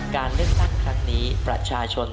การเลือกพักพลังประชาชน